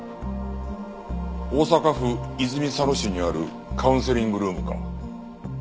大阪府泉佐野市にあるカウンセリングルームか。